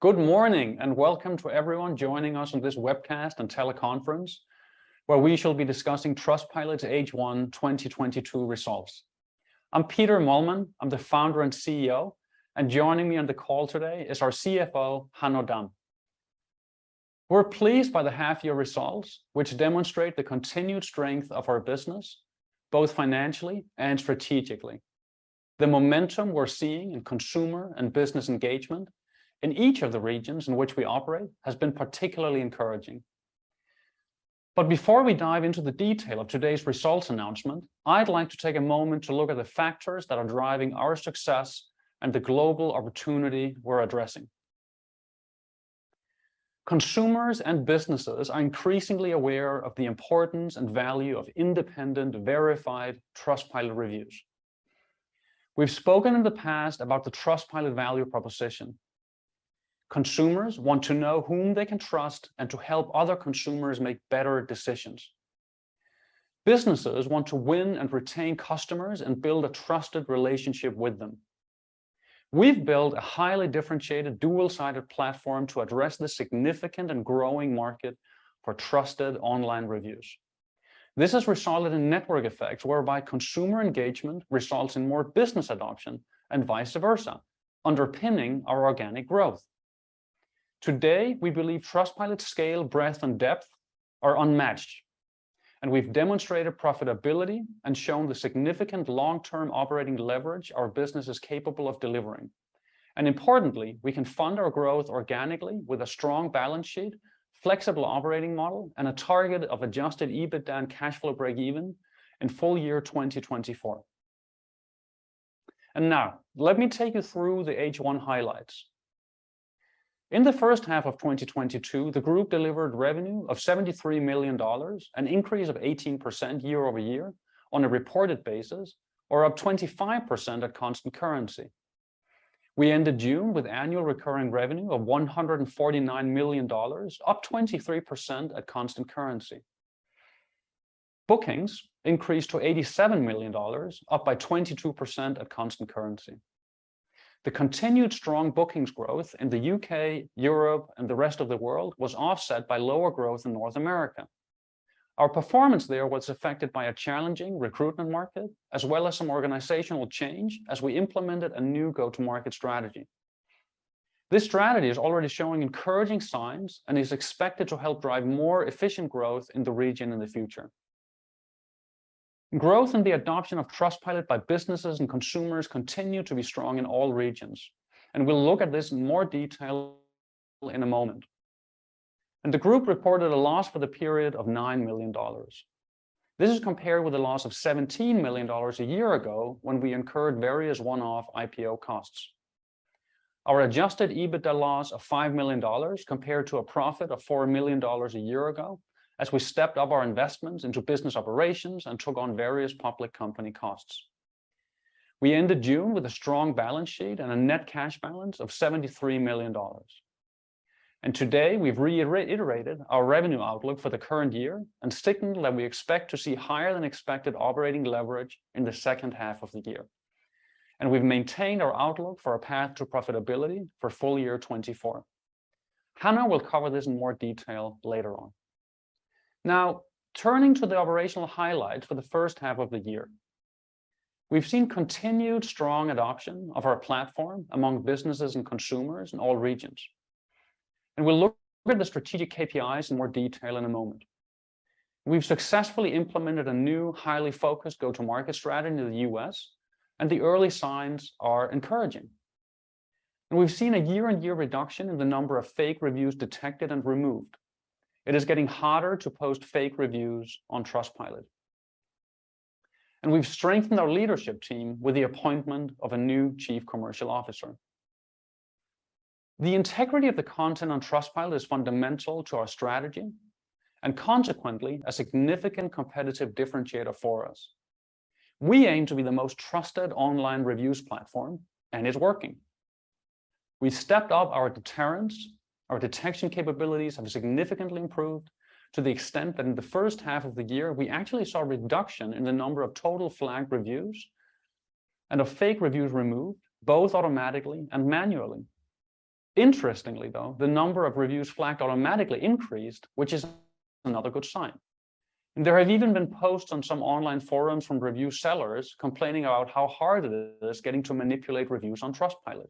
Good morning, and welcome to everyone joining us on this webcast and teleconference where we shall be discussing Trustpilot's H1 2022 results. I'm Peter Holten Mühlmann, I'm the Founder and CEO, and joining me on the call today is our CFO, Hanno Damm. We're pleased by the half-year results, which demonstrate the continued strength of our business, both financially and strategically. The momentum we're seeing in consumer and business engagement in each of the regions in which we operate has been particularly encouraging. Before we dive into the detail of today's results announcement, I'd like to take a moment to look at the factors that are driving our success and the global opportunity we're addressing. Consumers and businesses are increasingly aware of the importance and value of independent, verified Trustpilot reviews. We've spoken in the past about the Trustpilot value proposition. Consumers want to know whom they can trust and to help other consumers make better decisions. Businesses want to win and retain customers and build a trusted relationship with them. We've built a highly differentiated dual-sided platform to address the significant and growing market for trusted online reviews. This has resulted in network effects whereby consumer engagement results in more business adoption and vice versa, underpinning our organic growth. Today, we believe Trustpilot's scale, breadth, and depth are unmatched, and we've demonstrated profitability and shown the significant long-term operating leverage our business is capable of delivering. Importantly, we can fund our growth organically with a strong balance sheet, flexible operating model, and a target of adjusted EBITDA and cash flow breakeven in full-year 2024. Now, let me take you through the H1 highlights. In the H1 of 2022, the group delivered revenue of $73 million, an increase of 18% year-over-year on a reported basis, or up 25% at constant currency. We ended June with annual recurring revenue of $149 million, up 23% at constant currency. Bookings increased to $87 million, up by 22% at constant currency. The continued strong bookings growth in the UK, Europe, and the rest of the world was offset by lower growth in North America. Our performance there was affected by a challenging recruitment market, as well as some organizational change as we implemented a new go-to-market strategy. This strategy is already showing encouraging signs and is expected to help drive more efficient growth in the region in the future. Growth in the adoption of Trustpilot by businesses and consumers continue to be strong in all regions, and we'll look at this in more detail in a moment. The group reported a loss for the period of $9 million. This is compared with a loss of $17 million a year ago when we incurred various one-off IPO costs. Our adjusted EBITDA loss of $5 million compared to a profit of $4 million a year ago as we stepped up our investments into business operations and took on various public company costs. We ended June with a strong balance sheet and a net cash balance of $73 million. Today, we've reiterated our revenue outlook for the current year and signaled that we expect to see higher than expected operating leverage in the H2 of the year. We've maintained our outlook for a path to profitability for full year 2024. Hanno will cover this in more detail later on. Now, turning to the operational highlights for the H1 of the year. We've seen continued strong adoption of our platform among businesses and consumers in all regions, and we'll look at the strategic KPIs in more detail in a moment. We've successfully implemented a new, highly focused go-to-market strategy in the U.S., and the early signs are encouraging. We've seen a year-on-year reduction in the number of fake reviews detected and removed. It is getting harder to post fake reviews on Trustpilot. We've strengthened our leadership team with the appointment of a new chief commercial officer. The integrity of the content on Trustpilot is fundamental to our strategy and consequently, a significant competitive differentiator for us. We aim to be the most trusted online reviews platform, and it's working. We stepped up our deterrence. Our detection capabilities have significantly improved to the extent that in the H1 of the year, we actually saw a reduction in the number of total flagged reviews and of fake reviews removed, both automatically and manually. Interestingly, though, the number of reviews flagged automatically increased, which is another good sign. There have even been posts on some online forums from review sellers complaining about how hard it is getting to manipulate reviews on Trustpilot.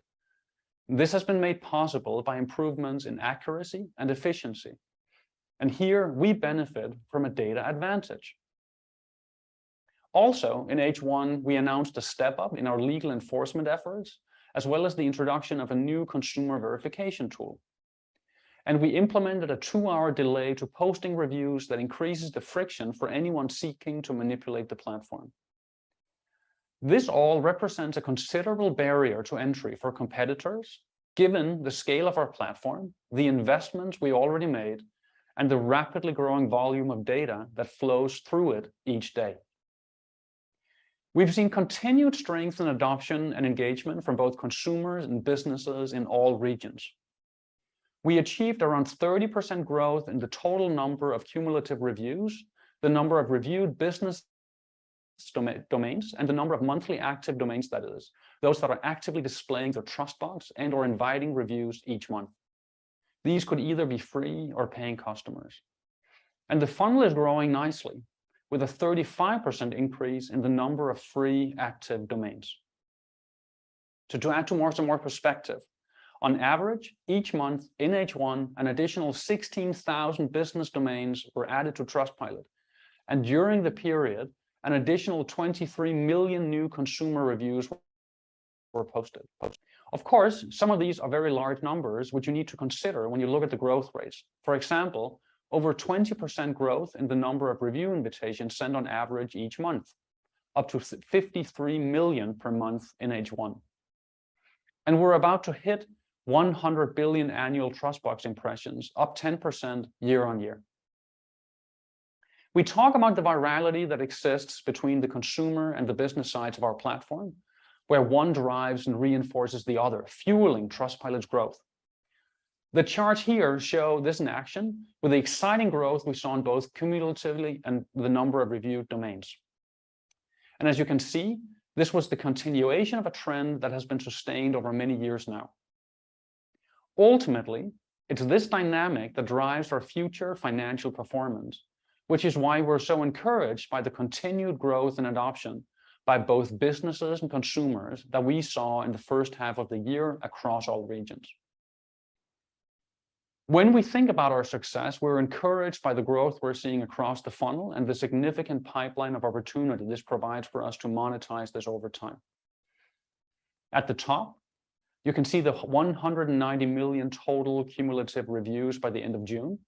This has been made possible by improvements in accuracy and efficiency, and here we benefit from a data advantage. Also in H1, we announced a step up in our legal enforcement efforts, as well as the introduction of a new consumer verification tool. We implemented a 2-hour delay to posting reviews that increases the friction for anyone seeking to manipulate the platform. This all represents a considerable barrier to entry for competitors, given the scale of our platform, the investments we already made, and the rapidly growing volume of data that flows through it each day. We've seen continued strength in adoption and engagement from both consumers and businesses in all regions. We achieved around 30% growth in the total number of cumulative reviews, the number of reviewed business domains and the number of monthly active domains that is, those that are actively displaying their TrustBox and/or inviting reviews each month. These could either be free or paying customers. The funnel is growing nicely, with a 35% increase in the number of free active domains. To add some more perspective, on average each month in H1, an additional 16,000 business domains were added to Trustpilot, and during the period, an additional 23 million new consumer reviews were posted. Of course, some of these are very large numbers, which you need to consider when you look at the growth rates. For example, over 20% growth in the number of review invitations sent on average each month, up to 53 million per month in H1. We're about to hit 100 billion annual TrustBox impressions, up 10% year-on-year. We talk about the virality that exists between the consumer and the business sides of our platform, where one drives and reinforces the other, fueling Trustpilot's growth. The charts here show this in action with the exciting growth we saw in both cumulatively and the number of reviewed domains. As you can see, this was the continuation of a trend that has been sustained over many years now. Ultimately, it's this dynamic that drives our future financial performance, which is why we're so encouraged by the continued growth and adoption by both businesses and consumers that we saw in the H1 of the year across all regions. When we think about our success, we're encouraged by the growth we're seeing across the funnel and the significant pipeline of opportunity this provides for us to monetize this over time. At the top, you can see the 190 million total cumulative reviews by the end of June,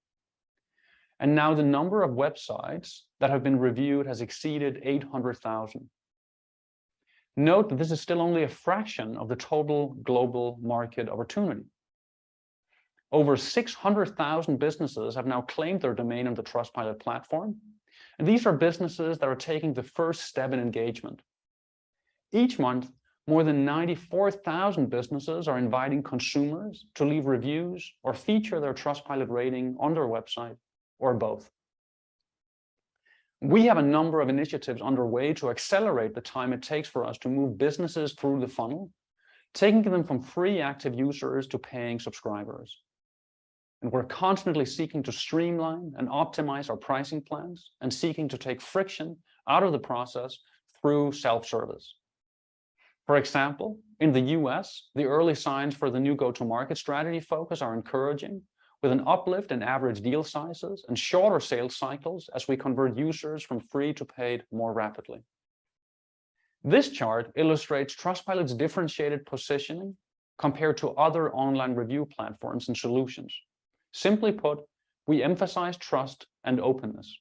and now the number of websites that have been reviewed has exceeded 800,000. Note that this is still only a fraction of the total global market opportunity. Over 600,000 businesses have now claimed their domain on the Trustpilot platform, and these are businesses that are taking the first step in engagement. Each month, more than 94,000 businesses are inviting consumers to leave reviews or feature their Trustpilot rating on their website or both. We have a number of initiatives underway to accelerate the time it takes for us to move businesses through the funnel, taking them from free active users to paying subscribers. We're constantly seeking to streamline and optimize our pricing plans and seeking to take friction out of the process through self-service. For example, in the U.S., the early signs for the new go-to-market strategy focus are encouraging, with an uplift in average deal sizes and shorter sales cycles as we convert users from free to paid more rapidly. This chart illustrates Trustpilot's differentiated positioning compared to other online review platforms and solutions. Simply put, we emphasize trust and openness.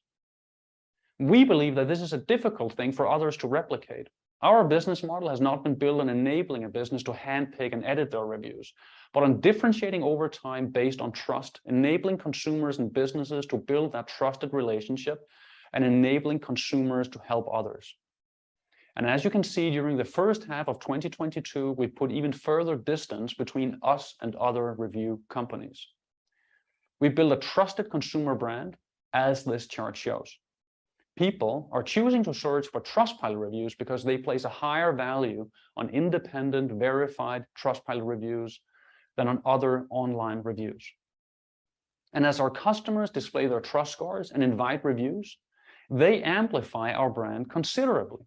We believe that this is a difficult thing for others to replicate. Our business model has not been built on enabling a business to handpick and edit their reviews, but on differentiating over time based on trust, enabling consumers and businesses to build that trusted relationship and enabling consumers to help others. As you can see, during the H1 of 2022, we put even further distance between us and other review companies. We build a trusted consumer brand, as this chart shows. People are choosing to search for Trustpilot reviews because they place a higher value on independent, verified Trustpilot reviews than on other online reviews. As our customers display their TrustScore and invite reviews, they amplify our brand considerably.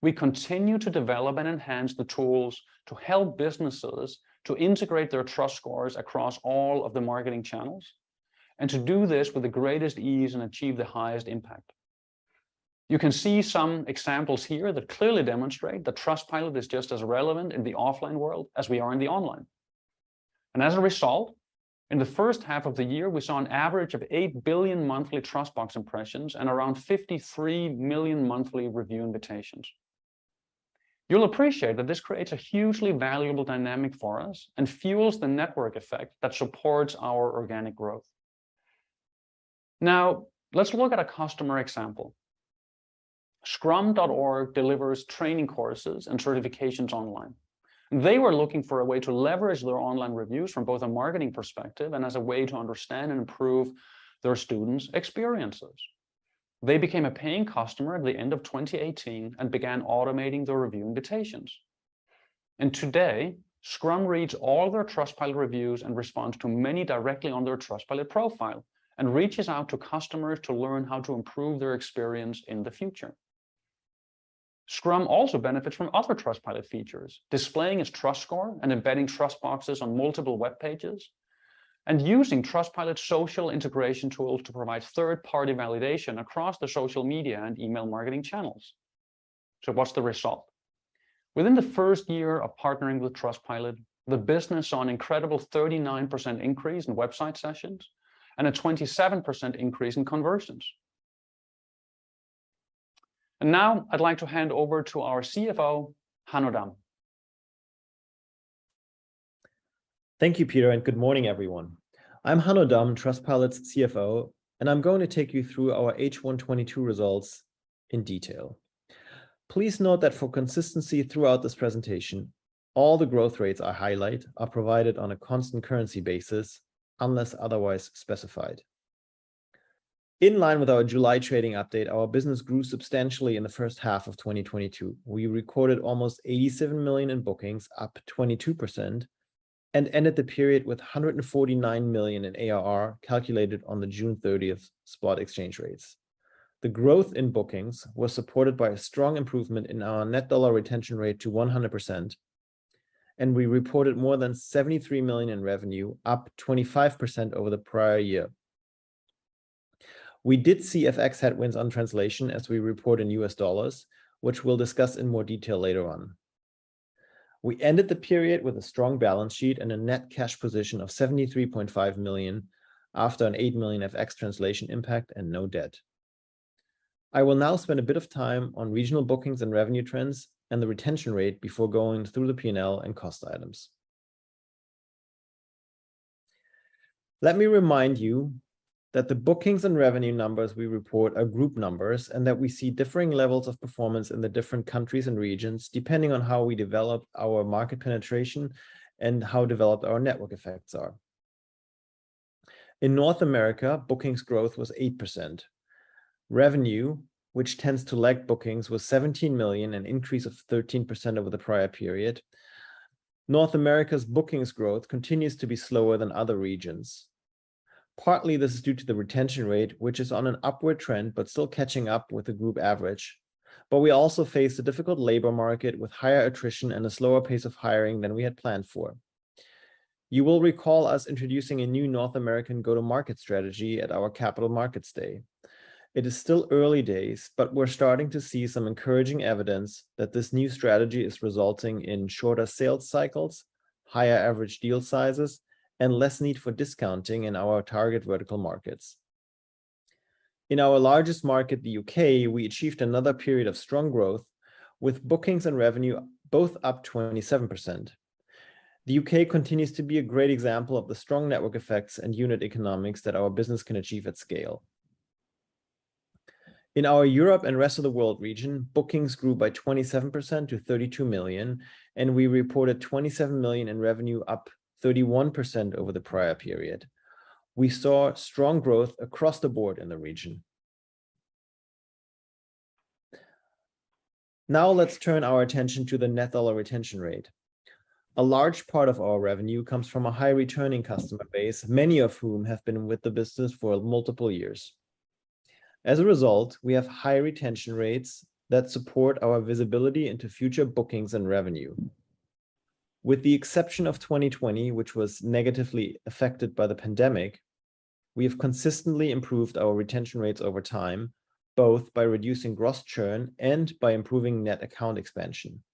We continue to develop and enhance the tools to help businesses to integrate their TrustScore across all of the marketing channels, and to do this with the greatest ease and achieve the highest impact. You can see some examples here that clearly demonstrate that Trustpilot is just as relevant in the offline world as we are in the online. As a result, in the H1 of the year, we saw an average of 8 billion monthly TrustBox impressions and around 53 million monthly review invitations. You'll appreciate that this creates a hugely valuable dynamic for us and fuels the network effect that supports our organic growth. Now let's look at a customer example. Scrum.org delivers training courses and certifications online. They were looking for a way to leverage their online reviews from both a marketing perspective and as a way to understand and improve their students' experiences. They became a paying customer at the end of 2018 and began automating their review invitations. Today, Scrum reads all their Trustpilot reviews and responds to many directly on their Trustpilot profile and reaches out to customers to learn how to improve their experience in the future. Scrum also benefits from other Trustpilot features, displaying its TrustScore and embedding TrustBoxes on multiple web pages, and using Trustpilot's social integration tools to provide third-party validation across their social media and email marketing channels. What's the result? Within the first year of partnering with Trustpilot, the business saw an incredible 39% increase in website sessions and a 27% increase in conversions. Now I'd like to hand over to our CFO, Hanno Damm. Thank you, Peter, and good morning, everyone. I'm Hanno Damm, Trustpilot's CFO, and I'm going to take you through our H1 2022 results in detail. Please note that for consistency throughout this presentation, all the growth rates I highlight are provided on a constant currency basis unless otherwise specified. In line with our July trading update, our business grew substantially in the H1 of 2022. We recorded almost 87 million in bookings, up 22%, and ended the period with 149 million in ARR calculated on the June 30 spot exchange rates. The growth in bookings was supported by a strong improvement in our net dollar retention rate to 100%, and we reported more than 73 million in revenue, up 25% over the prior year. We did see FX headwinds on translation as we report in U.S. dollars, which we'll discuss in more detail later on. We ended the period with a strong balance sheet and a net cash position of $73.5 million after an $8 million FX translation impact and no debt. I will now spend a bit of time on regional bookings and revenue trends and the retention rate before going through the P&L and cost items. Let me remind you that the bookings and revenue numbers we report are group numbers, and that we see differing levels of performance in the different countries and regions, depending on how we develop our market penetration and how developed our network effects are. In North America, bookings growth was 8%. Revenue, which tends to lag bookings, was $17 million, an increase of 13% over the prior period. North America's bookings growth continues to be slower than other regions. Partly, this is due to the retention rate, which is on an upward trend but still catching up with the group average. We also face a difficult labor market with higher attrition and a slower pace of hiring than we had planned for. You will recall us introducing a new North American go-to-market strategy at our Capital Markets Day. It is still early days, but we're starting to see some encouraging evidence that this new strategy is resulting in shorter sales cycles, higher average deal sizes, and less need for discounting in our target vertical markets. In our largest market, the UK, we achieved another period of strong growth with bookings and revenue both up 27%. The UK continues to be a great example of the strong network effects and unit economics that our business can achieve at scale. In our Europe and rest of the world region, bookings grew by 27% to 32 million, and we reported 27 million in revenue, up 31% over the prior period. We saw strong growth across the board in the region. Now let's turn our attention to the net dollar retention rate. A large part of our revenue comes from a high returning customer base, many of whom have been with the business for multiple years. As a result, we have high retention rates that support our visibility into future bookings and revenue. With the exception of 2020, which was negatively affected by the pandemic, we have consistently improved our retention rates over time, both by reducing gross churn and by improving net account expansion.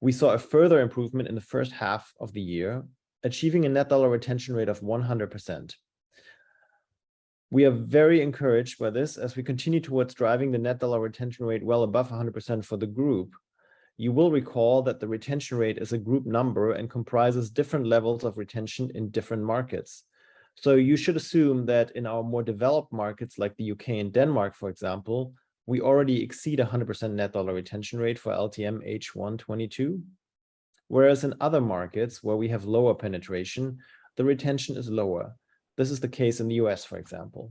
We saw a further improvement in the H1 of the year, achieving a net dollar retention rate of 100%. We are very encouraged by this as we continue towards driving the net dollar retention rate well above 100% for the group. You will recall that the retention rate is a group number and comprises different levels of retention in different markets. You should assume that in our more developed markets like the U.K. and Denmark, for example, we already exceed 100% net dollar retention rate for LTM H1 2022. Whereas in other markets where we have lower penetration, the retention is lower. This is the case in the U.S., for example.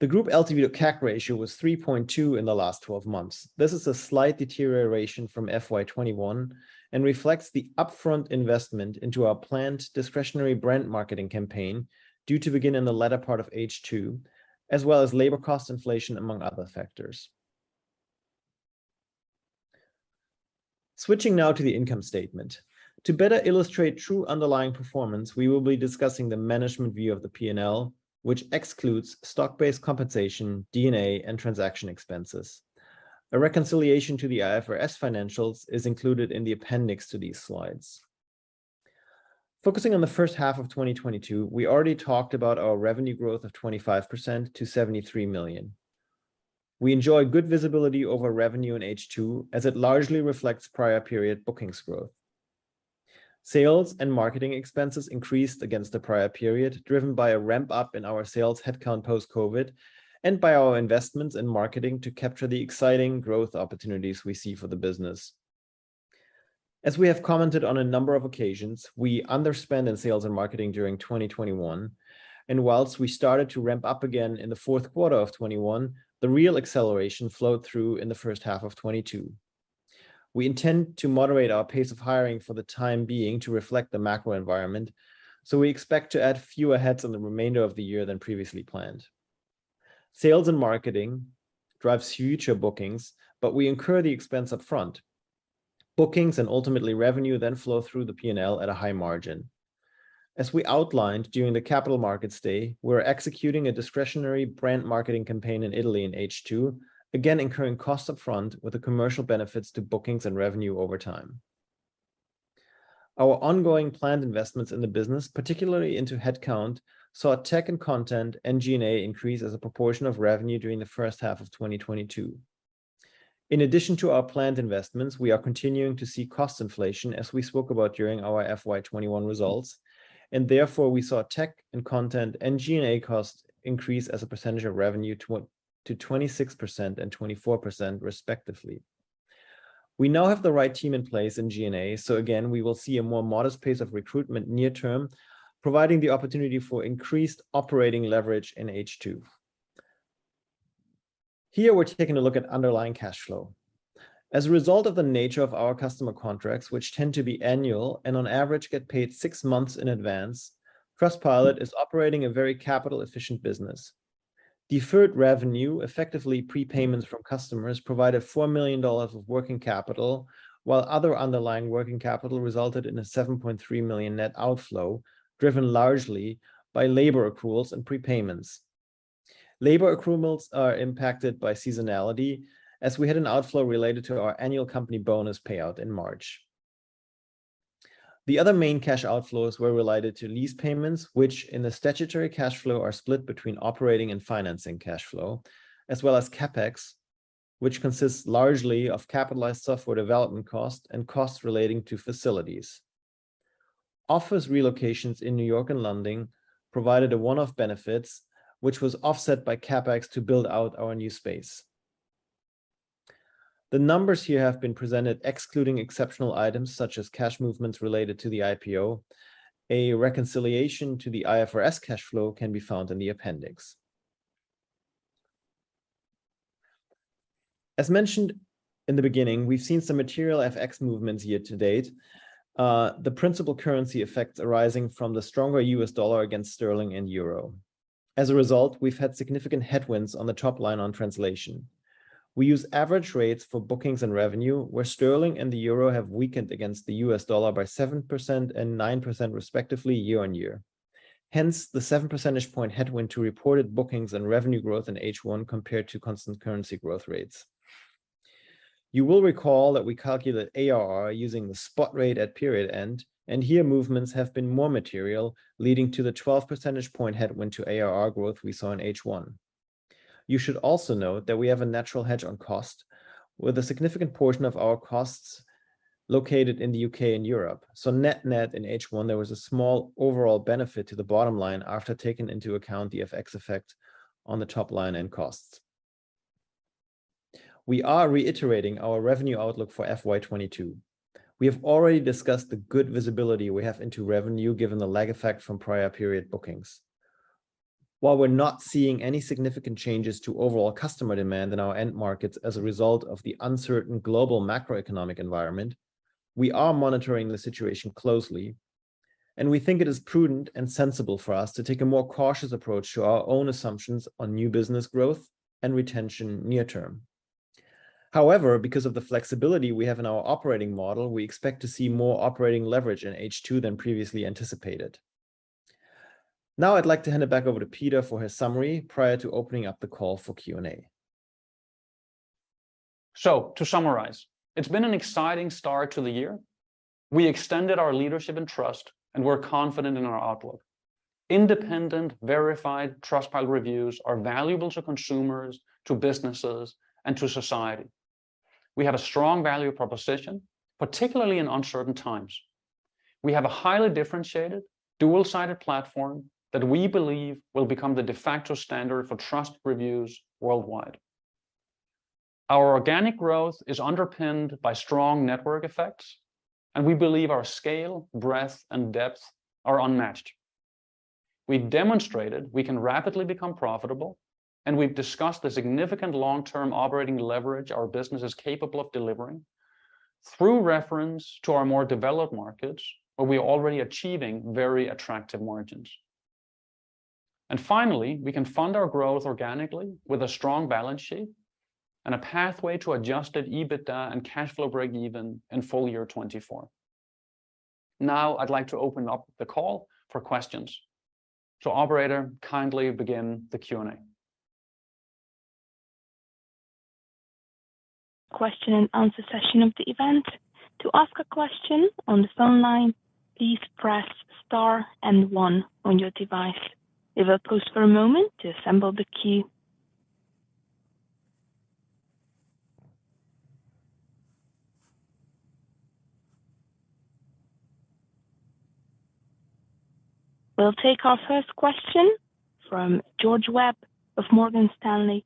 The group LTV to CAC ratio was 3.2 in the last twelve months. This is a slight deterioration from FY 2021 and reflects the upfront investment into our planned discretionary brand marketing campaign due to begin in the latter part of H2, as well as labor cost inflation, among other factors. Switching now to the income statement. To better illustrate true underlying performance, we will be discussing the management view of the P&L, which excludes stock-based compensation, G&A, and transaction expenses. A reconciliation to the IFRS financials is included in the appendix to these slides. Focusing on the H1 of 2022, we already talked about our revenue growth of 25% to $73 million. We enjoy good visibility over revenue in H2, as it largely reflects prior period bookings growth. Sales and marketing expenses increased against the prior period, driven by a ramp-up in our sales headcount post-COVID, and by our investments in marketing to capture the exciting growth opportunities we see for the business. As we have commented on a number of occasions, we underspent in sales and marketing during 2021, and while we started to ramp up again in the Q4 of 2021, the real acceleration flowed through in the H1 of 2022. We intend to moderate our pace of hiring for the time being to reflect the macro environment, so we expect to add fewer heads in the remainder of the year than previously planned. Sales and marketing drives future bookings, but we incur the expense up front. Bookings and ultimately revenue then flow through the P&L at a high margin. As we outlined during the Capital Markets Day, we're executing a discretionary brand marketing campaign in Italy in H2, again incurring costs up front with the commercial benefits to bookings and revenue over time. Our ongoing planned investments in the business, particularly into headcount, saw tech and content and G&A increase as a proportion of revenue during the H1 of 2022. In addition to our planned investments, we are continuing to see cost inflation as we spoke about during our FY 2021 results, and therefore, we saw tech and content and G&A costs increase as a percentage of revenue to 26% and 24% respectively. We now have the right team in place in G&A, so again, we will see a more modest pace of recruitment near term, providing the opportunity for increased operating leverage in H2. Here, we're taking a look at underlying cash flow. As a result of the nature of our customer contracts, which tend to be annual and on average get paid six months in advance, Trustpilot is operating a very capital-efficient business. Deferred revenue, effectively prepayments from customers, provided $4 million of working capital, while other underlying working capital resulted in a $7.3 million net outflow, driven largely by labor accruals and prepayments. Labor accruals are impacted by seasonality, as we had an outflow related to our annual company bonus payout in March. The other main cash outflows were related to lease payments, which in the statutory cash flow are split between operating and financing cash flow, as well as CapEx, which consists largely of capitalized software development costs and costs relating to facilities. Office relocations in New York and London provided a one-off benefits, which was offset by CapEx to build out our new space. The numbers here have been presented excluding exceptional items such as cash movements related to the IPO. A reconciliation to the IFRS cash flow can be found in the appendix. As mentioned in the beginning, we've seen some material FX movements year to date, the principal currency effects arising from the stronger U.S. dollar against sterling and euro. As a result, we've had significant headwinds on the top line on translation. We use average rates for bookings and revenue, where sterling and the euro have weakened against the U.S. Dollar by 7% and 9% respectively year-on-year. Hence, the 7 percentage point headwind to reported bookings and revenue growth in H1 compared to constant currency growth rates. You will recall that we calculate ARR using the spot rate at period end, and here movements have been more material, leading to the 12 percentage point headwind to ARR growth we saw in H1. You should also note that we have a natural hedge on cost, with a significant portion of our costs located in the UK and Europe. Net-net in H1, there was a small overall benefit to the bottom line after taking into account the FX effect on the top line and costs. We are reiterating our revenue outlook for FY 2022. We have already discussed the good visibility we have into revenue given the lag effect from prior period bookings. While we're not seeing any significant changes to overall customer demand in our end markets as a result of the uncertain global macroeconomic environment, we are monitoring the situation closely, and we think it is prudent and sensible for us to take a more cautious approach to our own assumptions on new business growth and retention near term. However, because of the flexibility we have in our operating model, we expect to see more operating leverage in H2 than previously anticipated. Now I'd like to hand it back over to Peter for his summary prior to opening up the call for Q&A. To summarize, it's been an exciting start to the year. We extended our leadership and trust, and we're confident in our outlook. Independent, verified Trustpilot reviews are valuable to consumers, to businesses, and to society. We have a strong value proposition, particularly in uncertain times. We have a highly differentiated dual-sided platform that we believe will become the de facto standard for trust reviews worldwide. Our organic growth is underpinned by strong network effects, and we believe our scale, breadth, and depth are unmatched. We demonstrated we can rapidly become profitable, and we've discussed the significant long-term operating leverage our business is capable of delivering through reference to our more developed markets where we're already achieving very attractive margins. Finally, we can fund our growth organically with a strong balance sheet and a pathway to adjusted EBITDA and cash flow breakeven in full year 2024. Now I'd like to open up the call for questions. Operator, kindly begin the Q&A. Question and answer session of the event. To ask a question on the phone line, please press star and one on your device. We will pause for a moment to assemble the queue. We'll take our first question from George Webb of Morgan Stanley.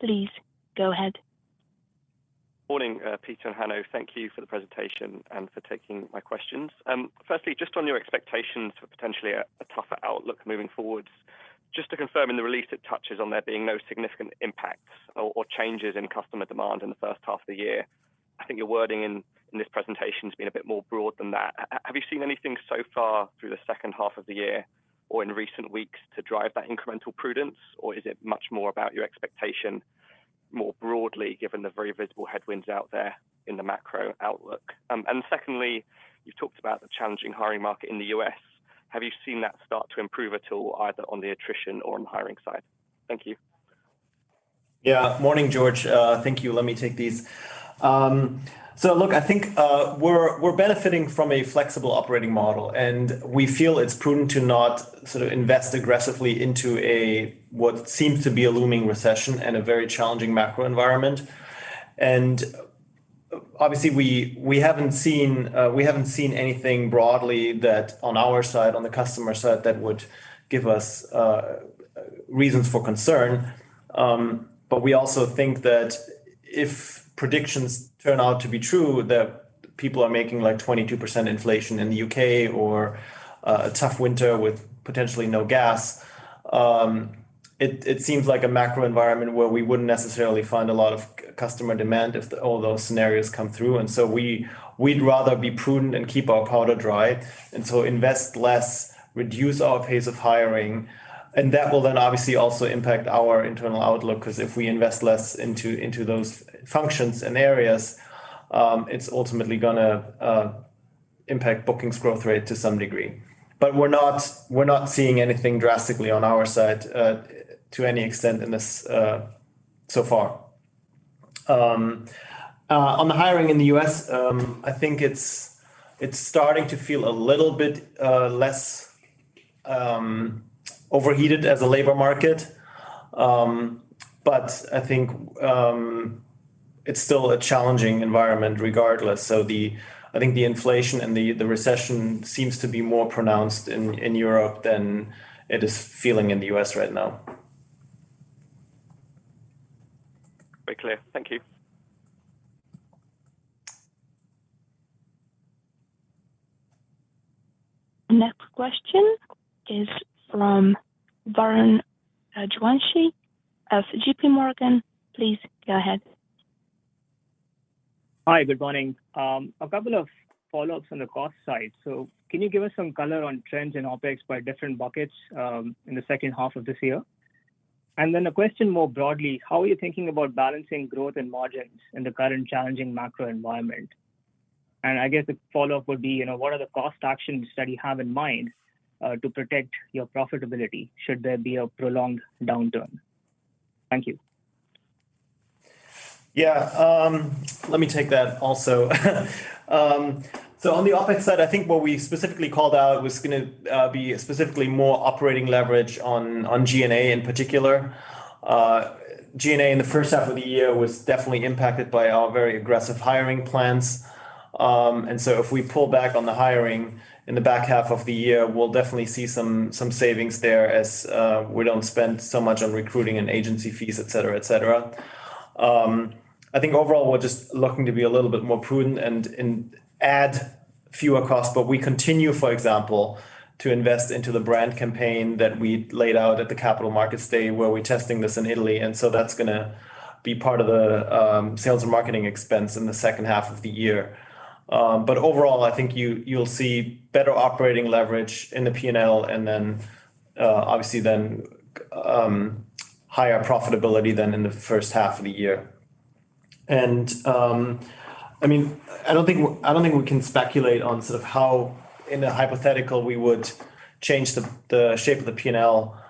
Please go ahead. Morning, Peter and Hanno. Thank you for the presentation and for taking my questions. Firstly, just on your expectations for potentially a tougher outlook moving forward, just to confirm in the release it touches on there being no significant impacts or changes in customer demand in the H1 of the year. I think your wording in this presentation's been a bit more broad than that. Have you seen anything so far through the H2 of the year or in recent weeks to drive that incremental prudence, or is it much more about your expectation more broadly given the very visible headwinds out there in the macro outlook? Secondly, you've talked about the challenging hiring market in the U.S. Have you seen that start to improve at all, either on the attrition or on the hiring side? Thank you. Yeah. Morning, George. Thank you. Let me take these. Look, I think we're benefiting from a flexible operating model, and we feel it's prudent to not sort of invest aggressively into a what seems to be a looming recession and a very challenging macro environment. Obviously we haven't seen anything broadly that on our side, on the customer side, that would give us reasons for concern. We also think that if predictions turn out to be true that People are making like 22% inflation in the UK or a tough winter with potentially no gas. It seems like a macro environment where we wouldn't necessarily find a lot of customer demand if all those scenarios come through. We'd rather be prudent and keep our powder dry, invest less, reduce our pace of hiring, and that will then obviously also impact our internal outlook 'cause if we invest less into those functions and areas, it's ultimately gonna impact bookings growth rate to some degree. We're not seeing anything drastically on our side to any extent in this so far. On the hiring in the U.S., I think it's starting to feel a little bit less overheated as a labor market. I think it's still a challenging environment regardless. I think the inflation and the recession seems to be more pronounced in Europe than it is feeling in the U.S. right now. Very clear. Thank you. Next question is from Varun Rajwanshi of J.P. Morgan. Please go ahead. Hi, good morning. A couple of follow-ups on the cost side. Can you give us some color on trends in OpEx by different buckets in the H2 of this year? Then a question more broadly, how are you thinking about balancing growth and margins in the current challenging macro environment? I guess a follow-up would be, what are the cost actions that you have in mind to protect your profitability should there be a prolonged downturn? Thank you. Yeah. Let me take that also. On the OpEx side, I think what we specifically called out was gonna be specifically more operating leverage on G&A in particular. G&A in the H1 of the year was definitely impacted by our very aggressive hiring plans. If we pull back on the hiring in the back half of the year, we'll definitely see some savings there as we don't spend so much on recruiting and agency fees, et cetera, et cetera. I think overall we're just looking to be a little bit more prudent and add fewer costs. We continue, for example, to invest into the brand campaign that we laid out at the Capital Markets Day, where we're testing this in Italy, and so that's gonna be part of the sales and marketing expense in the H2 of the year. Overall, I think you'll see better operating leverage in the P&L and then obviously higher profitability than in the H1 of the year. I mean, I don't think we can speculate on sort of how in a hypothetical we would change the shape of the P&L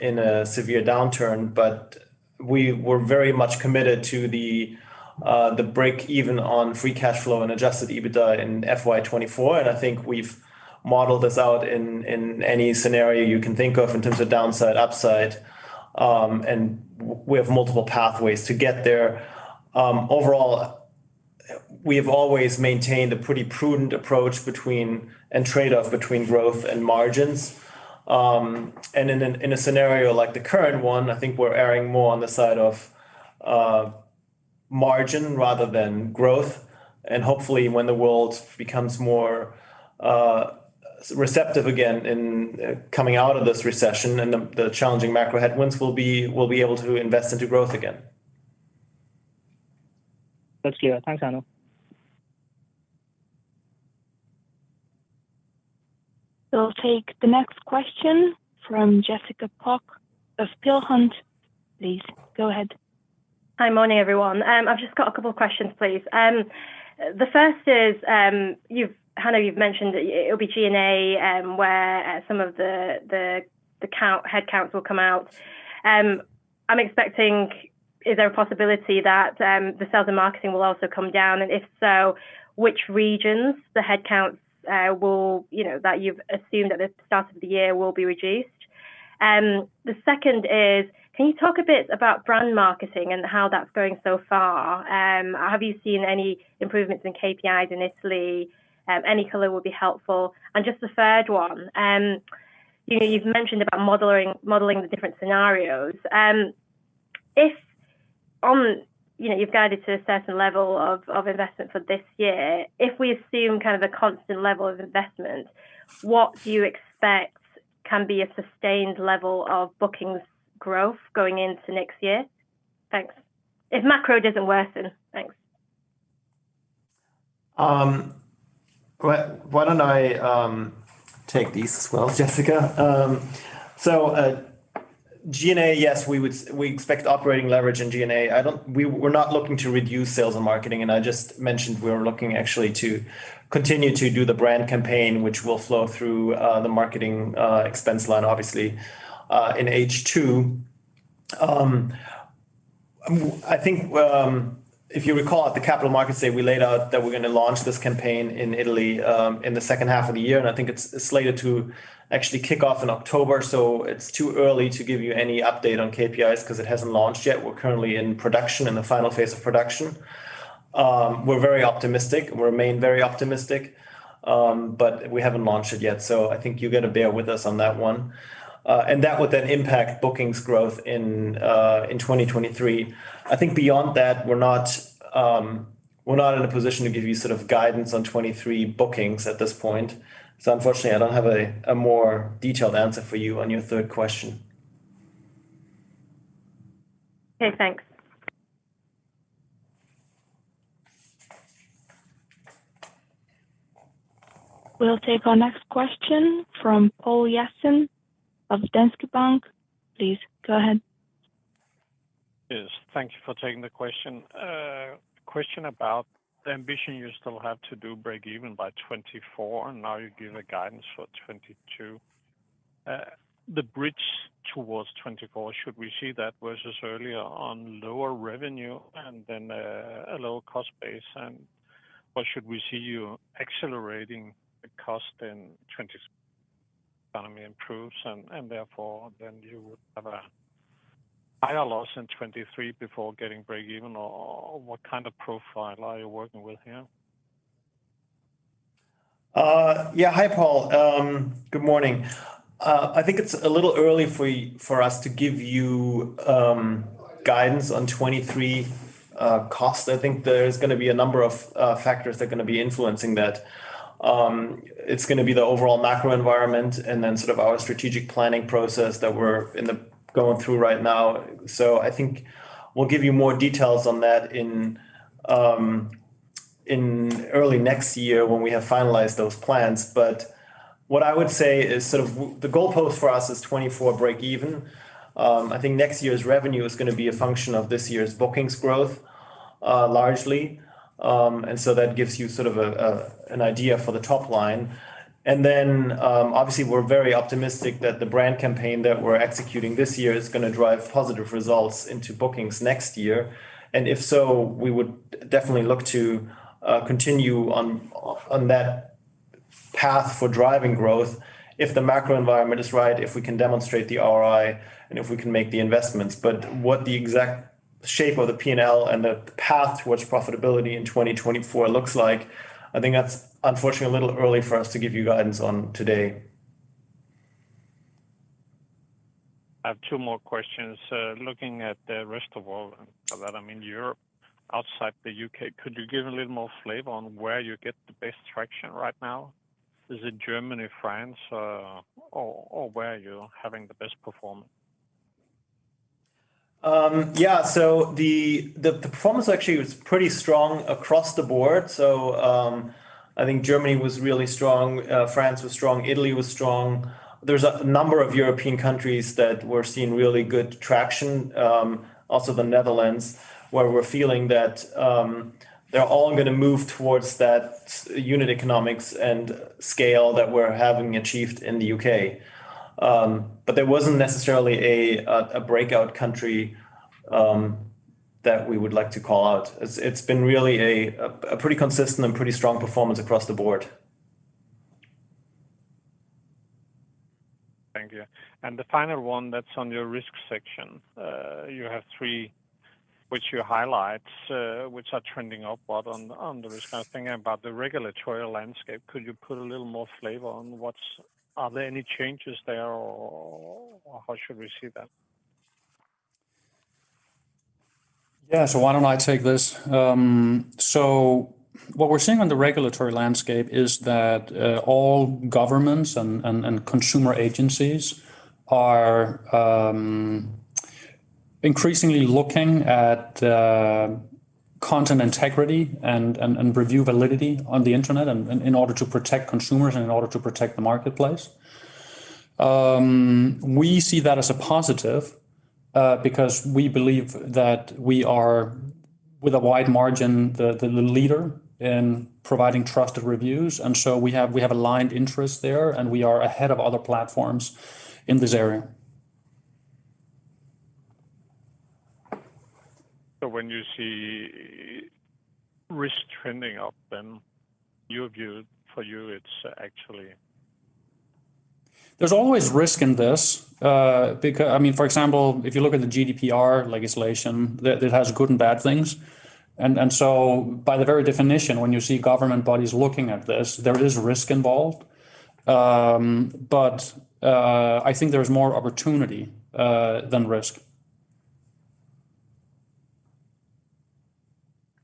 in a severe downturn, but we're very much committed to the breakeven on free cash flow and adjusted EBITDA in FY 2024. I think we've modeled this out in any scenario you can think of in terms of downside, upside. We have multiple pathways to get there. Overall, we've always maintained a pretty prudent approach and trade-off between growth and margins. In a scenario like the current one, I think we're erring more on the side of margin rather than growth. Hopefully, when the world becomes more receptive again in coming out of this recession and the challenging macro headwinds, we'll be able to invest into growth again. That's clear. Thanks, Hanno. We'll take the next question from Jessica Pok of Peel Hunt. Please go ahead. Hi. Morning, everyone. I've just got a couple of questions, please. The first is, Hanno, you've mentioned it'll be G&A, where some of the headcounts will come out. I'm expecting, is there a possibility that the sales and marketing will also come down? If so, which regions the headcounts that you've assumed at the start of the year will be reduced? The second is, can you talk a bit about brand marketing and how that's going so far? Have you seen any improvements in KPIs in Italy? Any color would be helpful. Just the third one, you've mentioned about modeling the different scenarios. If you've guided to a certain level of investment for this year, if we assume kind of a constant level of investment, what do you expect can be a sustained level of bookings growth going into next year? Thanks. If macro doesn't worsen. Thanks. Why don't I take these as well, Jessica? G&A, yes, we expect operating leverage in G&A. We're not looking to reduce sales and marketing, and I just mentioned we are looking actually to continue to do the brand campaign, which will flow through the marketing expense line obviously in H2. I think if you recall at the Capital Markets Day, we laid out that we're gonna launch this campaign in Italy in the H2 of the year, and I think it's slated to actually kick off in October, so it's too early to give you any update on KPIs 'cause it hasn't launched yet. We're currently in production, in the final phase of production. We're very optimistic. We remain very optimistic, but we haven't launched it yet, so I think you gotta bear with us on that one. That would then impact bookings growth in 2023. I think beyond that, we're not in a position to give you sort of guidance on 2023 bookings at this point, so unfortunately, I don't have a more detailed answer for you on your third question. Okay, thanks. We'll take our next question from Paul ssen of Danske Bank. Please go ahead. Yes. Thank you for taking the question. Question about the ambition you still have to do break even by 2024, and now you're giving guidance for 2022. The bridge towards 2024, should we see that versus earlier on lower revenue and then a lower cost base? Or should we see you accelerating the cost in 2023 if the economy improves and therefore then you would have a higher loss in 2023 before getting break even? What kind of profile are you working with here? Yeah. Hi, Paul. Good morning. I think it's a little early for us to give you guidance on 2023 cost. I think there's gonna be a number of factors that are gonna be influencing that. It's gonna be the overall macro environment and then sort of our strategic planning process that we're going through right now. I think we'll give you more details on that in early next year when we have finalized those plans. What I would say is sort of the goalpost for us is 2024 break even. I think next year's revenue is gonna be a function of this year's bookings growth largely. That gives you sort of an idea for the top line. Obviously we're very optimistic that the brand campaign that we're executing this year is gonna drive positive results into bookings next year. If so, we would definitely look to continue on that path for driving growth if the macro environment is right, if we can demonstrate the ROI, and if we can make the investments. What the exact shape of the P&L and the path towards profitability in 2024 looks like, I think that's unfortunately a little early for us to give you guidance on today. I have two more questions. Looking at the rest of world, and by that I mean Europe, outside the UK, could you give a little more flavor on where you get the best traction right now? Is it Germany, France, or where are you having the best performance? Yeah. The performance actually was pretty strong across the board. I think Germany was really strong. France was strong. Italy was strong. There's a number of European countries that we're seeing really good traction. Also the Netherlands, where we're feeling that they're all gonna move towards that unit economics and scale that we're having achieved in the UK. There wasn't necessarily a breakout country that we would like to call out. It's been really a pretty consistent and pretty strong performance across the board. Thank you. The final one that's on your risk section. You have three which you highlight, which are trending upward on the risk. I was thinking about the regulatory landscape. Could you put a little more flavor on. Are there any changes there or how should we see that? Yeah. Why don't I take this? What we're seeing on the regulatory landscape is that all governments and consumer agencies are increasingly looking at content integrity and review validity on the internet in order to protect consumers and in order to protect the marketplace. We see that as a positive because we believe that we are, with a wide margin, the leader in providing trusted reviews, and so we have aligned interests there, and we are ahead of other platforms in this area. When you see risk trending up, then your view for you, it's actually. There's always risk in this. I mean, for example, if you look at the GDPR legislation, that has good and bad things. By the very definition, when you see government bodies looking at this, there is risk involved. I think there's more opportunity than risk.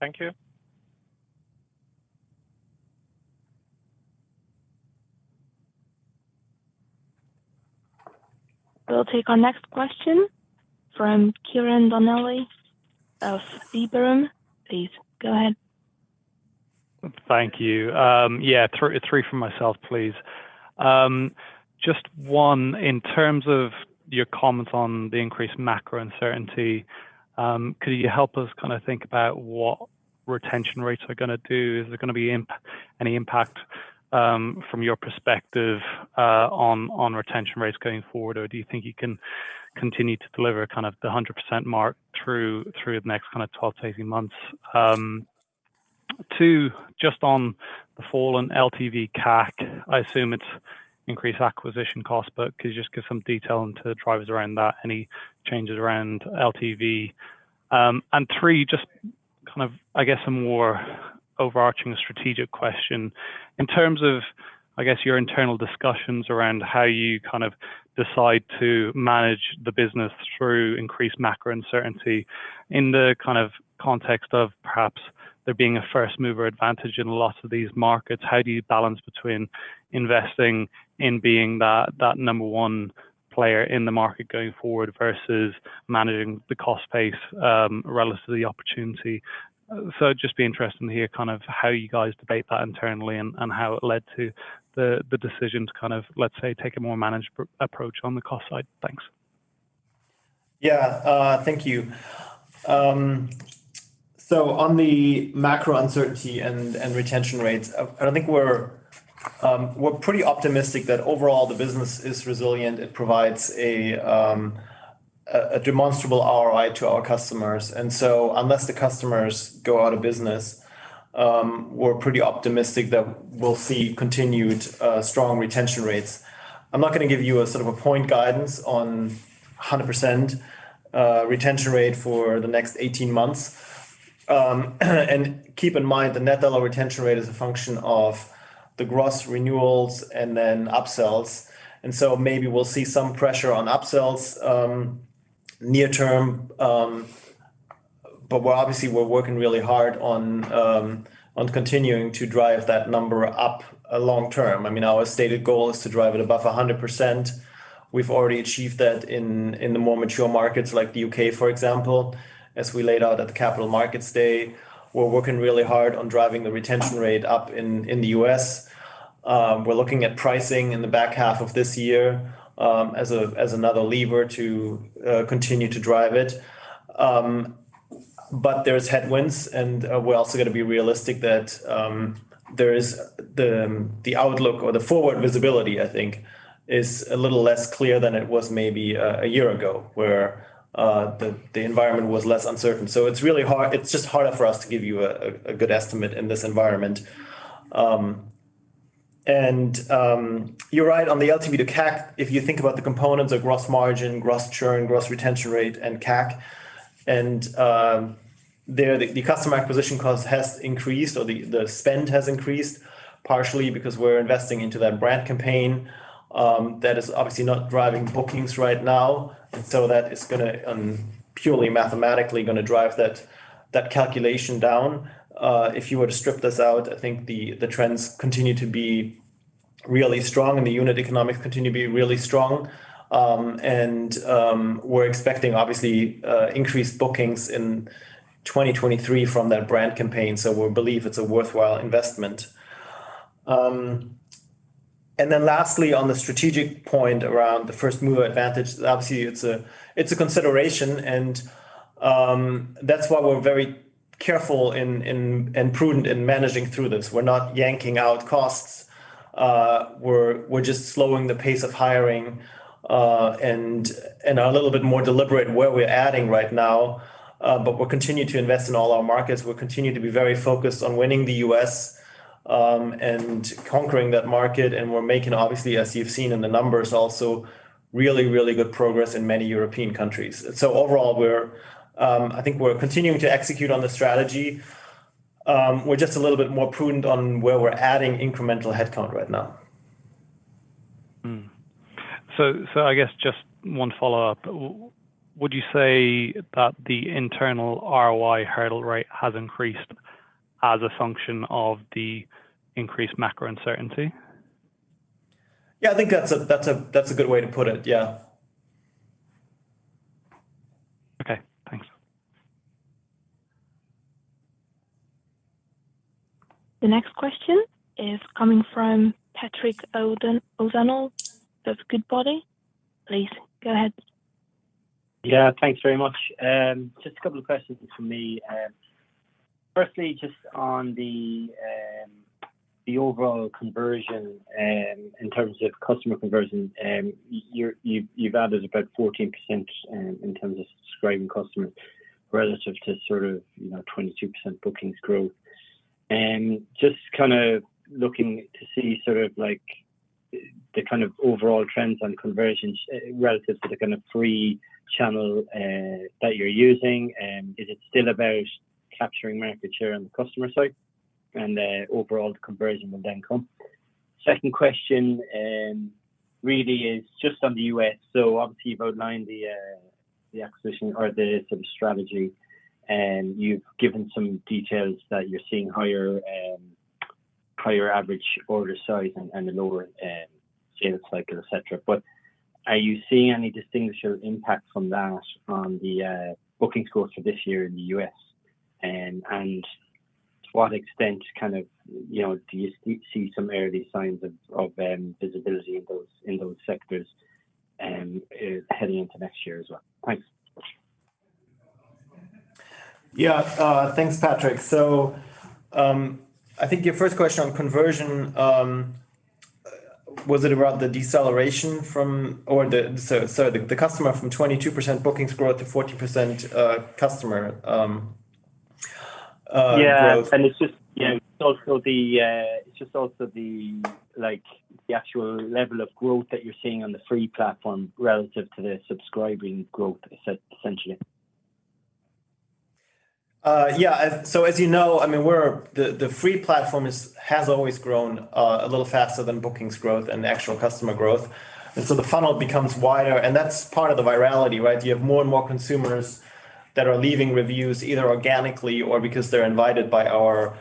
Thank you. We'll take our next question from Kieran Donnelly of Liberum. Please go ahead. Thank you. Yeah, three from myself, please. Just one, in terms of your comments on the increased macro uncertainty, could you help us kinda think about what retention rates are gonna do? Is there gonna be any impact, from your perspective, on retention rates going forward? Or do you think you can continue to deliver kind of the 100% mark through the next kinda 12-18 months? Two, just on the fall in LTV to CAC, I assume it's increased acquisition cost, but could you just give some detail into the drivers around that, any changes around LTV? Three, just kind of, I guess, a more overarching strategic question. In terms of, I guess, your internal discussions around how you kind of decide to manage the business through increased macro uncertainty in the kind of context of perhaps There being a first mover advantage in lots of these markets, how do you balance between investing in being that number one player in the market going forward versus managing the cost base relative to the opportunity? It'd be interesting to hear kind of how you guys debate that internally and how it led to the decision to kind of, let's say, take a more managed approach on the cost side. Thanks. Yeah. Thank you. On the macro uncertainty and retention rates, I think we're pretty optimistic that overall the business is resilient. It provides a demonstrable ROI to our customers. Unless the customers go out of business, we're pretty optimistic that we'll see continued strong retention rates. I'm not gonna give you a sort of a point guidance on 100% retention rate for the next 18 months. Keep in mind, the net dollar retention rate is a function of the gross renewals and then upsells, so maybe we'll see some pressure on upsells near term. We're obviously working really hard on continuing to drive that number up long term. I mean, our stated goal is to drive it above 100%. We've already achieved that in the more mature markets like the UK, for example. As we laid out at the Capital Markets Day, we're working really hard on driving the retention rate up in the U.S. We're looking at pricing in the back half of this year, as another lever to continue to drive it. But there's headwinds, and we're also gonna be realistic that there is the outlook or the forward visibility, I think, is a little less clear than it was maybe a year ago, where the environment was less uncertain. It's just harder for us to give you a good estimate in this environment. You're right on the LTV to CAC. If you think about the components of gross margin, gross churn, gross retention rate, and CAC, the customer acquisition cost has increased or the spend has increased partially because we're investing into that brand campaign, that is obviously not driving bookings right now. That is gonna purely mathematically drive that calculation down. If you were to strip this out, I think the trends continue to be really strong and the unit economics continue to be really strong. We're expecting obviously increased bookings in 2023 from that brand campaign, so we believe it's a worthwhile investment. Lastly, on the strategic point around the first mover advantage, obviously it's a consideration and that's why we're very careful and prudent in managing through this. We're not yanking out costs. We're just slowing the pace of hiring, and are a little bit more deliberate in where we're adding right now. We'll continue to invest in all our markets. We'll continue to be very focused on winning the U.S., and conquering that market. We're making obviously, as you've seen in the numbers also, really good progress in many European countries. Overall, I think we're continuing to execute on the strategy. We're just a little bit more prudent on where we're adding incremental headcount right now. I guess just one follow-up. Would you say that the internal ROI hurdle rate has increased as a function of the increased macro uncertainty? Yeah, I think that's a good way to put it. Yeah. Okay. Thanks. The next question is coming from Patrick O'Donnell of Goodbody. Please go ahead. Yeah, thanks very much. Just a couple of questions from me. Firstly, just on the overall conversion, in terms of customer conversion, you've added about 14%, in terms of subscribing customers relative to sort of 22% bookings growth. Just kinda looking to see sort of like, the kind of overall trends on conversions, relative to the kind of free channel, that you're using. Is it still about capturing market share on the customer side and the overall conversion would then come? Second question, really is just on the U.S. Obviously you've outlined the acquisition or the sort of strategy, and you've given some details that you're seeing higher average order size and a lower sales cycle, et cetera. Are you seeing any distinguishing impact from that on the bookings growth for this year in the U.S.? To what extent kind of do you see some early signs of visibility in those sectors heading into next year as well? Thanks. Thanks, Patrick. I think your first question on conversion was it about the deceleration so the customer from 22% bookings growth to 40% customer growth? Yeah. It's just also the actual level of growth that you're seeing on the free platform relative to the subscription growth essentially. So as you know, I mean, the free platform has always grown a little faster than bookings growth and actual customer growth. The funnel becomes wider, and that's part of the virality, right? You have more and more consumers that are leaving reviews either organically or because they're invited by our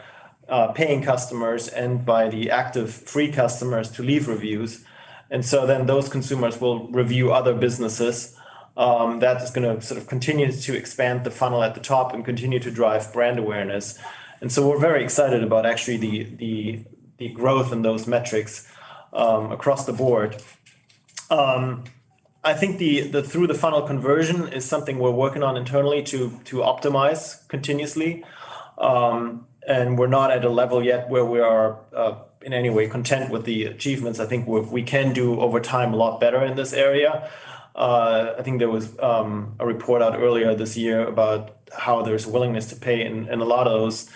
paying customers and by the active free customers to leave reviews. Those consumers will review other businesses that is gonna sort of continue to expand the funnel at the top and continue to drive brand awareness. We're very excited about actually the growth in those metrics across the board. I think the through the funnel conversion is something we're working on internally to optimize continuously. We're not at a level yet where we are in any way content with the achievements. I think we can do over time a lot better in this area. I think there was a report out earlier this year about how there's willingness to pay and a lot of those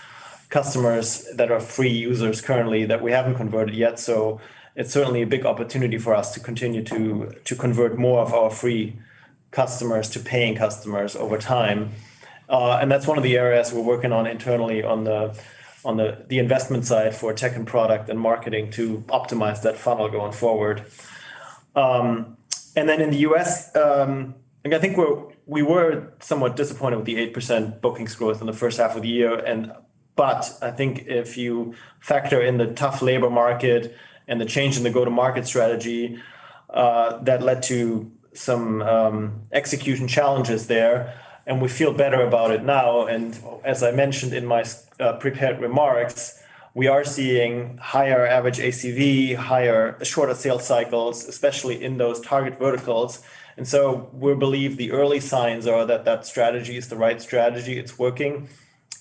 customers that are free users currently that we haven't converted yet. It's certainly a big opportunity for us to continue to convert more of our free customers to paying customers over time. That's one of the areas we're working on internally on the investment side for tech and product and marketing to optimize that funnel going forward. In the U.S., like I think we were somewhat disappointed with the 8% bookings growth in the H1 of the year. I think if you factor in the tough labor market and the change in the go-to-market strategy, that led to some execution challenges there, and we feel better about it now. As I mentioned in my prepared remarks, we are seeing higher average ACV, higher shorter sales cycles, especially in those target verticals. We believe the early signs are that that strategy is the right strategy. It's working,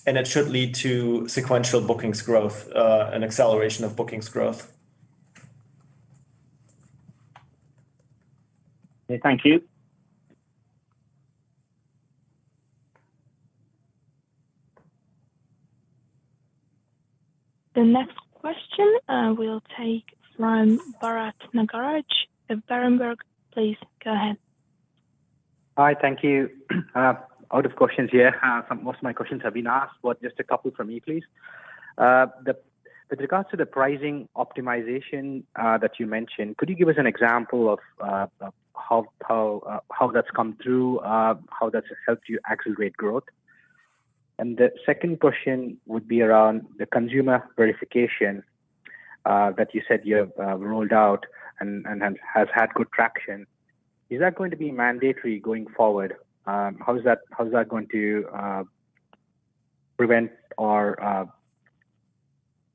and it should lead to sequential bookings growth, and acceleration of bookings growth. Okay. Thank you. The next question, we'll take from Bharath Nagaraj of Berenberg. Please go ahead. Hi. Thank you. Out of questions here, most of my questions have been asked, but just a couple from me, please. With regards to the pricing optimization that you mentioned, could you give us an example of how that's come through, how that's helped you accelerate growth? The second question would be around the consumer verification that you said you have rolled out and has had good traction. Is that going to be mandatory going forward? How is that going to prevent or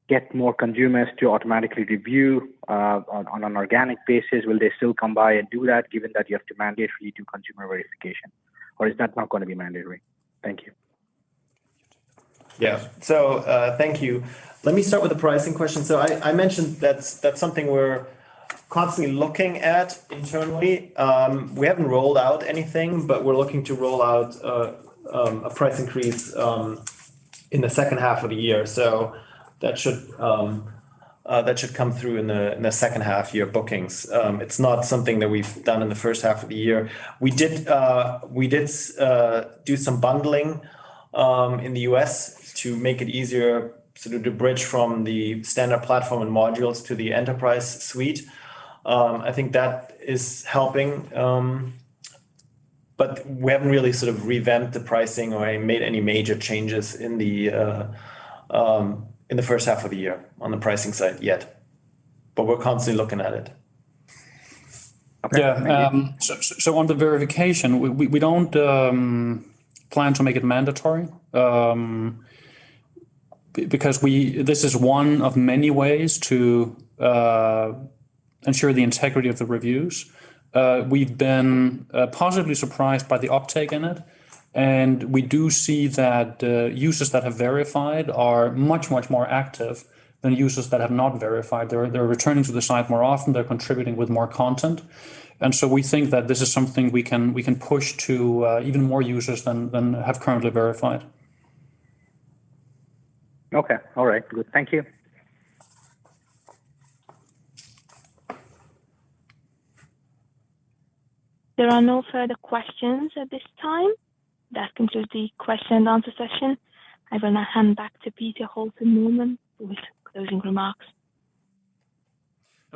get more consumers to automatically review on an organic basis? Will they still come by and do that given that you have to mandatorily do consumer verification, or is that not gonna be mandatory? Thank you. Yeah. Thank you. Let me start with the pricing question. I mentioned that's something we're constantly looking at internally. We haven't rolled out anything, but we're looking to roll out a price increase in the H2 of the year. That should come through in the H2 year bookings. It's not something that we've done in the H1 of the year. We did some bundling in the U.S. To make it easier sort of to bridge from the standard platform and modules to the enterprise suite. I think that is helping. We haven't really sort of revamped the pricing or made any major changes in the H1 of the year on the pricing side yet. We're constantly looking at it. Yeah. Okay. Thank you. On the verification, we don't plan to make it mandatory because this is one of many ways to ensure the integrity of the reviews. We've been positively surprised by the uptake in it, and we do see that users that have verified are much more active than users that have not verified. They're returning to the site more often. They're contributing with more content, and so we think that this is something we can push to even more users than have currently verified. Okay. All right. Good. Thank you. There are no further questions at this time. That concludes the question and answer session. I will now hand back to Peter Holten Mühlmann with closing remarks.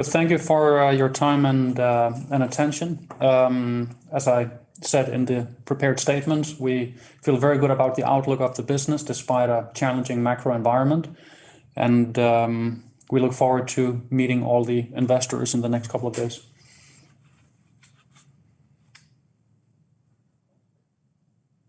Thank you for your time and attention. As I said in the prepared statement, we feel very good about the outlook of the business despite a challenging macro environment, and we look forward to meeting all the investors in the next couple of days.